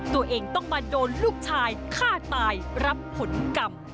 ตัวเองต้องมาโดนลูกชายฆ่าตายรับผลกรรม